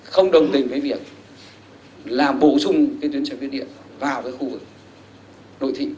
không đồng tình với việc là bổ sung cái tuyến xe buýt điện vào cái khu vực nội thị